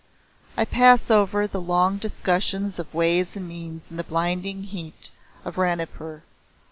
I pass over the long discussions of ways and means in the blinding heat of Ranipur.